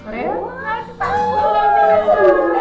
wah aku tau